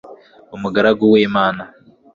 umugaragu w'imana